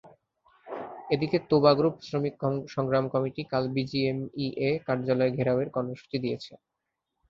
এদিকে তোবা গ্রুপ শ্রমিক সংগ্রাম কমিটি কাল বিজিএমইএ কার্যালয় ঘেরাওয়ের কর্মসূচি দিয়েছে।